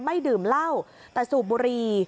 ดื่มเหล้าแต่สูบบุรี